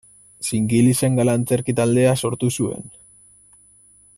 Zingili-Zangala Antzerki Taldea sortu zuen.